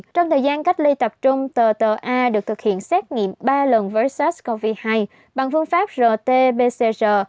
trong thời gian cách ly tập trung tờ tờ a được thực hiện xét nghiệm ba lần sars cov hai bằng phương pháp rt pcr